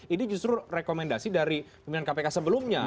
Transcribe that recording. ini justru rekomendasi dari pimpinan kpk sebelumnya